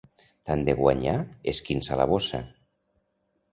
Tant de guanyar, esquinça la bossa.